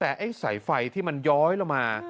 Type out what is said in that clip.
แต่ไอ้สายไฟที่มันย้อยลงมา